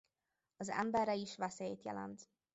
Az emberre is veszélyt jelent.